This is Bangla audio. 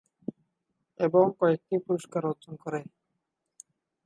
এবং কয়েকটি পুরস্কার অর্জন করে।